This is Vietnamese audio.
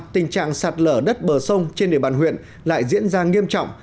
tình trạng sạt lở đất bờ sông trên địa bàn huyện lại diễn ra nghiêm trọng